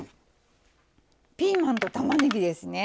ピーマンとたまねぎですね。